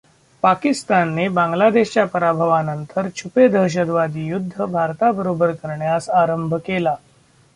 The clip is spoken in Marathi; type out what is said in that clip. पाकिस्तानने बांगलादेशच्या पराभवानंतर छुपे दहशतवादी युद्ध भारताबरोबर करण्यास आरंभ केला.